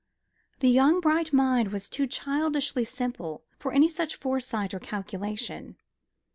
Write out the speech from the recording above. The young bright mind was too childishly simple for any such foresight or calculation.